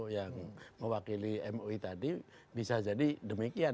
yang mewakili mui tadi bisa jadi demikian